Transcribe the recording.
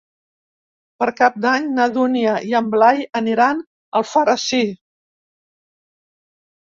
Per Cap d'Any na Dúnia i en Blai aniran a Alfarrasí.